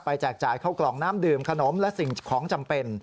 แจกจ่ายเข้ากล่องน้ำดื่มขนมและสิ่งของจำเป็น